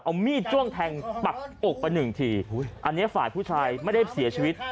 เอามีดจ้วงแทงปักอกไปหนึ่งทีอันนี้ฝ่ายผู้ชายไม่ได้เสียชีวิต